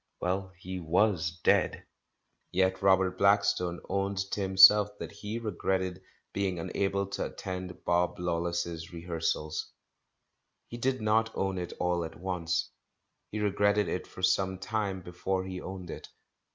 Well, he was dead. Yet Robert Blackstone owned to himself that he re gretted being unable to attend Bob Lawless's re hearsals. He did not own it all at once, he re gretted it for some time before he owned it.